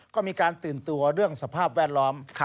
ก็มีการตื่นตัวเรื่องสภาพแวดล้อม